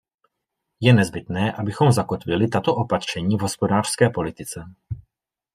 Je nezbytné, abychom zakotvili tato opatření v hospodářské politice.